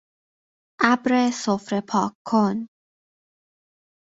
ابر سفره پاک کن